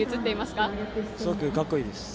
すごくかっこいいです。